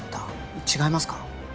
違いますか？